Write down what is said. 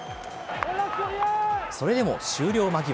それでも終了間際。